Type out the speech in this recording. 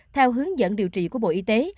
theo hướng dẫn điều trị của bộ y tế